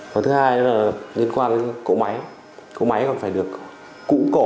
và thứ hai liên quan đến cỗ máy cỗ máy còn phải được cũ cổ